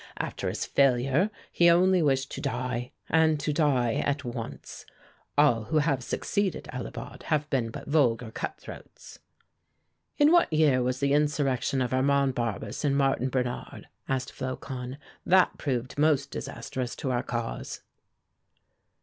After his failure, he only wished to die, and to die at once. All who have succeeded Alibaud have been but vulgar cut throats." "In what year was the insurrection of Armand Barbes and Martin Bernard?" asked Flocon. "That proved most disastrous to our cause."